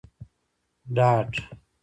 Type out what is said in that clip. ډاډ